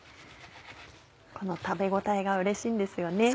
この食べ応えがうれしいんですよね。